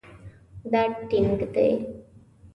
دا ټینګ دی